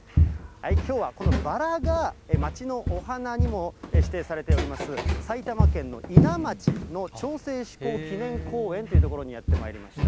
きょうはこのバラが町のお花にも指定されております、埼玉県の伊奈町の町制施行記念公園という所にやってまいりました。